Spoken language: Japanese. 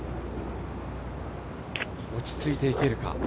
落ち着いていけるか。